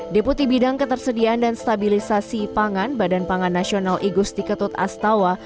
deputi bidang ketersediaan dan stabilisasi pangan badan pangan nasional igusti ketut astawa